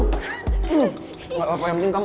gak apa apa yang penting kamu